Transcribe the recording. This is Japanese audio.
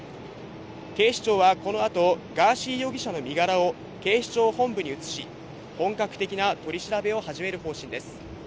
警視庁はこのあと、ガーシー容疑者の身柄を警視庁本部に移し、本格的な取り調べを始める方針です。